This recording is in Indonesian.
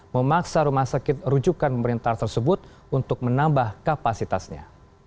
memaksa rumah sakit rujukan pemerintah tersebut untuk menambah kapasitasnya